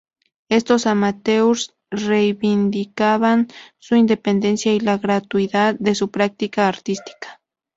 Estos amateurs reivindicaban su independencia y la gratuidad de su práctica artística.